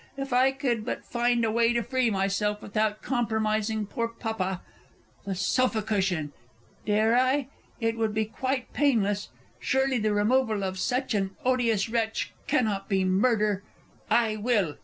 If I could but find a way to free myself without compromising poor Papa. The sofa cushion! Dare I? It would be quite painless.... Surely the removal of such an odious wretch cannot be Murder.... I will!